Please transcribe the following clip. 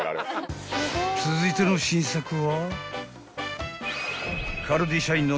［続いての新作は？］